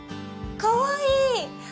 かわいい！